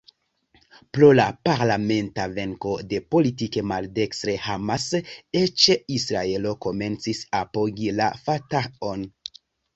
Pro la parlamenta venko de politike maldekstre Hamas, eĉ Israelo komencis apogi la Fatah-on.